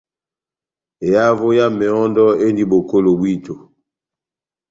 Ehavo ya mehɔ́ndɔ endi bokolo bwíto.